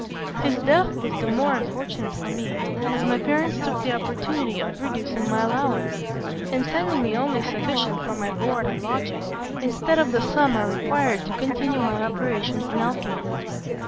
His death was the more unfortunate for me, as my parents took the opportunity of reducing my allowance, and sending me only sufficient for my board and lodging, instead of the sum I required to continue my operations in alchymy.